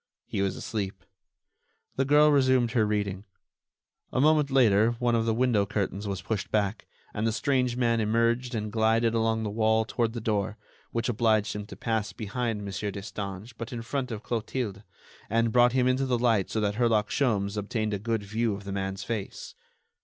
He was asleep. The girl resumed her reading. A moment later one of the window curtains was pushed back, and the strange man emerged and glided along the wall toward the door, which obliged him to pass behind Mon. Destange but in front of Clotilde, and brought him into the light so that Herlock Sholmes obtained a good view of the man's face.